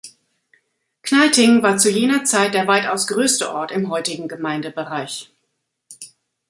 Kneiting war zu jener Zeit der weitaus größte Ort im heutigen Gemeindebereich.